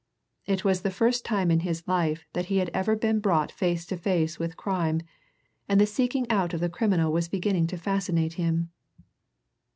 It was the first time in his life that he had ever been brought face to face with crime, and the seeking out of the criminal was beginning to fascinate him.